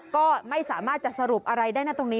ก็ไม่สามารถจะสรุปอะไรได้นะตรงนี้